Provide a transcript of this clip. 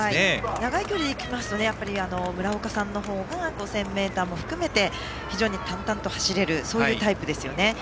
長い距離で行きますと村岡さんの方が５０００ｍも含めて非常に淡々と走れるそういうタイプですね。